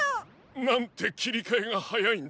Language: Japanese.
なんてきりかえがはやいんだ。